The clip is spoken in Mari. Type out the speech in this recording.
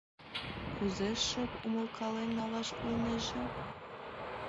Кузе шып умылкален налаш улнеже?